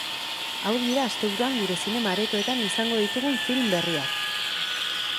Hauek dira asteburuan gure zinema aretoetan izango ditugun film berriak.